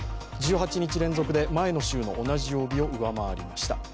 １８日連続で前の週の同じ曜日を超えました。